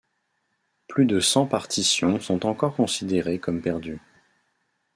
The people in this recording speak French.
Plus de cent partitions sont encore considérées comme perdues.